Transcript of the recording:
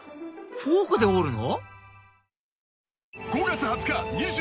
フォークで織るの⁉